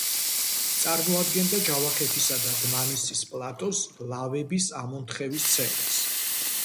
წარმოადგენდა ჯავახეთისა და დმანისის პლატოს ლავების ამონთხევის ცენტრს.